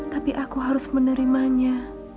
tapi aku harus menerimanya